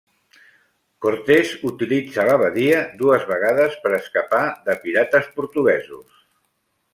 Cortés utilitza la badia dues vegades per escapar de pirates portuguesos.